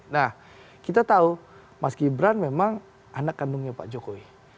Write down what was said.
nah kita tahu mas gibran memang anak kandungnya pak jokowi